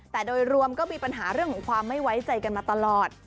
แต่โดยรวมก็มีปัญหาเรื่องของความไม่ไว้ใจกันมาตลอด